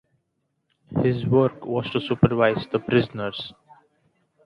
His work was to supervise the prisoners.